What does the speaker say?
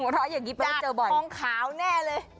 เคยเหรอจากฮองขาวแน่เลย